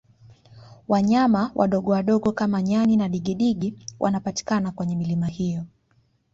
wanyama wadogowadogo kama nyani na digidigi wanapatikana kwenye milima hiyo